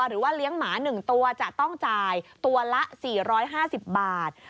หรือว่าเลี้ยงหมา๑ตัวจะต้องจ่ายตัวละ๔๕๐บาท